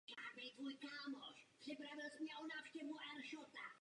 Lukáši, omlouvám se, nějak nestíhám.